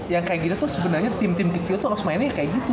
yang kayak gini tuh sebenarnya tim tim kecil itu harus mainnya kayak gitu